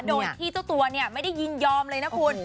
โดยที่เจ้าตัวเนี่ยไม่ได้ยินยอมเลยนะคุณ